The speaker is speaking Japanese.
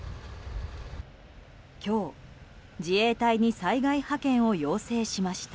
今日、自衛隊に災害派遣を要請しました。